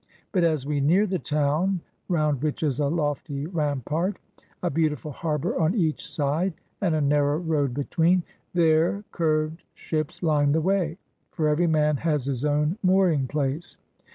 But as we near the town, — round which is a lofty rampart, a beautiful harbor on each side and a narrow road between, — there curved ships line the way; for every man has his own mooring place.